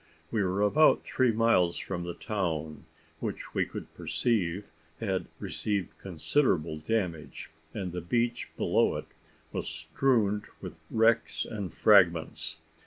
We were about three miles from the town, which we could perceive had received considerable damage and the beach below it was strewed with wrecks and fragments.